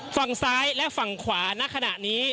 ฝั่งซ้ายและฝั่งขวาณขณะนี้